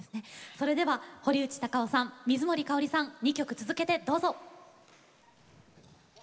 それでは堀内孝雄さん水森かおりさん２曲続けてどうぞ。